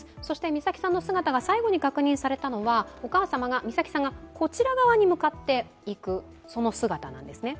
美咲さんの姿が最後に確認されたのは、お母様が美咲さんがこちら側に向かっていく姿だったんですね。